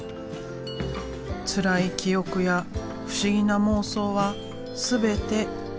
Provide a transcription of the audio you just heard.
つらい記憶や不思議な妄想は全て絵の中に。